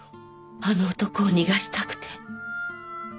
あの男を逃がしたくて。